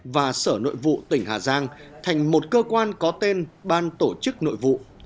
và sở nội vụ tỉnh hà giang thành một cơ quan có tên ban tổ chức nội vụ